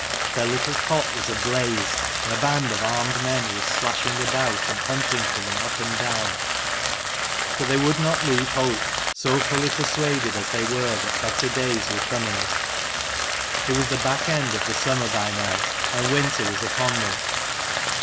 Their little cot was ablaze, and a band of armed men was slashing about, and hunting for them up and down. But they would not leave hope, so fully persuaded as they were that better days were coming. It was the back end of the summer by now, and winter was upon them.